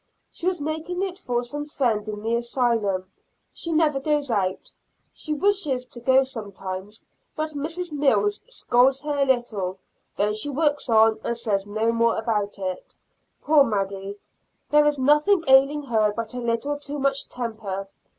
She was making it for some friend in the Asylum. She never goes out; she wishes to go sometimes, but Mrs. Mills scolds her a little, then she works on and says no more about it. Poor Maggy! there is nothing ailing her but a little too much temper.